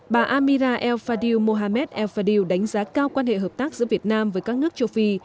bà amira el fadil mohammed el fadiu đánh giá cao quan hệ hợp tác giữa việt nam với các nước châu phi